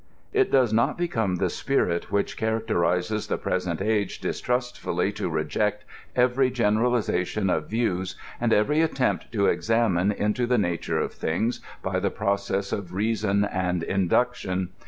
It does not become the spirit which characterizes the present age distrustfully to reject every generalization of views and every attempt to examine into the nature of things by the process of reason and induction.